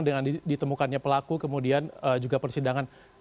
dengan ditemukannya pelaku kemudian juga persidangan